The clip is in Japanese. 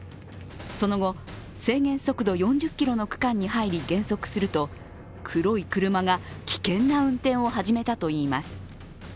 その後、制限速度４０キロの区間に入り減速すると黒い車が危険な運転を始めたといいます。